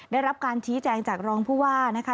ได้รับการชี้แจงจากรองผู้ว่านะคะ